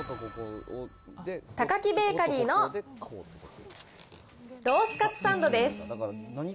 タカキベーカリーのロースカツサンドです。